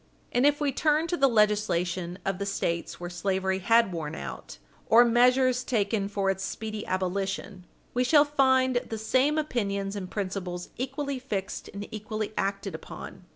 And if we turn to the legislation of the States where slavery had worn out, or measures taken for its speedy abolition, we shall find the same opinions and principles equally fixed and equally acted upon.